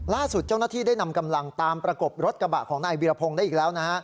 ล่าสุดเจ้าหน้าที่ได้นำกำลังตามประกบรถกระบะของนายวิรพงศ์ได้อีกแล้วนะฮะ